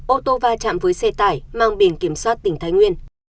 ô tô va chạm với xe tải mang biển kiểm soát tỉnh thái nguyên